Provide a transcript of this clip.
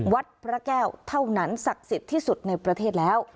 วัดพระแก้วเท่านั้นศักดิ์สิทธิ์ที่สุดในประเทศแล้ว